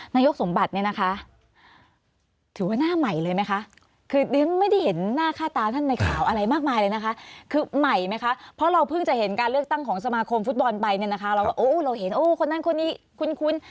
นายกสมบัติเนี่ยนะคะถือว่าหน้าใหม่เลยไหมคะคือเรียนไม่ได้เห็นหน้าค่าตาท่านในข่าวอะไรมากมายเลยนะคะคือใหม่ไหมคะเพราะเราเพิ่งจะเห็นการเลือกตั้งของสมาคมฟุตบอลไปเนี่ยนะคะเราก็โอ้เราเห็นโอ้คนนั้นคนนี้คุ้น